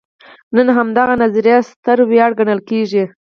نن همدغه نظریه ستره ویاړ ګڼل کېږي.